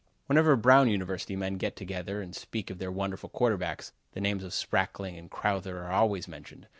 Whenever Brown University men get together and speak of their wonderful quarterbacks, the names of Sprackling and Crowther are always mentioned.